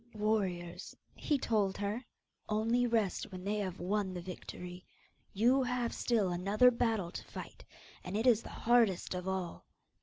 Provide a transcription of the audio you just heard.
'Warriors,' he told her, 'only rest when they have won the victory. You have still another battle to fight, and it is the hardest of all.